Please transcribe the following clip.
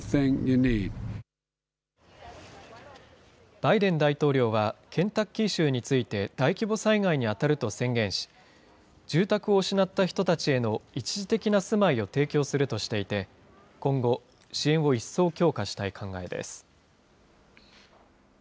バイデン大統領は、ケンタッキー州について、大規模災害に当たると宣言し、住宅を失った人たちへの一時的な住まいを提供するとしていて、今後、支援を一層強化したい考えです。